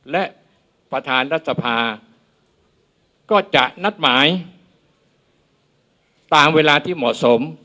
และประธานรัฐสภาก็จะนัดหมายตามเวลาที่เหมาะสม